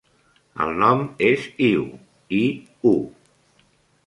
El nom és Iu: i, u.